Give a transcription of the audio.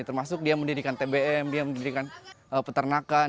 termasuk dia mendirikan tbm dia mendirikan peternakan